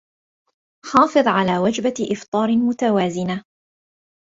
حافظ على وجبة إفطارمتوازنة